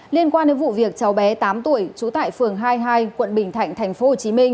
liên quan đến vụ việc cháu bé tám tuổi trú tại phường hai mươi hai quận bình thạnh tp hcm